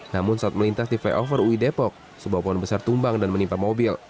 namun saat melintas di flyover ui depok sebuah pohon besar tumbang dan menimpa mobil